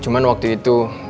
cuman waktu itu